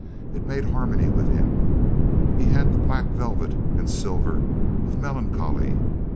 It made harmony with him. He had the black velvet and silver of melan choly.